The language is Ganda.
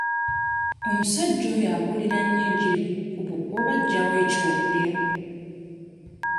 Omusajja oyo abuulira nnyo enjiri ku kkubo oba aggya wa eky'okulya?